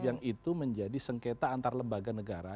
yang itu menjadi sengketa antar lembaga negara